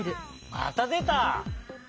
またでた！